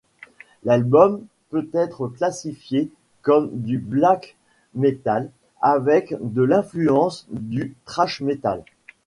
L'album peut être classifié comme du black metal avec de l'influence du thrash metal.